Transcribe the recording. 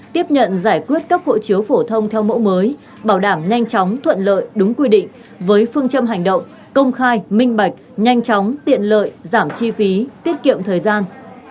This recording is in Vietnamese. tiếp nhận giải quyết cấp hộ chiếu phổ thông theo mẫu mới bảo đảm nhanh chóng thuận lợi đúng quy định với phương châm hành động công khai minh bạch nhanh chóng tiện lợi giảm chi phí tiết kiệm thời gian